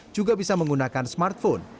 juga bisa menggunakan smartwatch